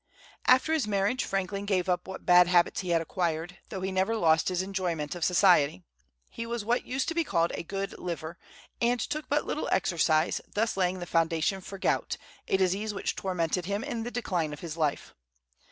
After his marriage Franklin gave up what bad habits he had acquired, though he never lost his enjoyment of society. He was what used to be called "a good liver," and took but little exercise, thus laying the foundation for gout, a disease which tormented him in the decline of life.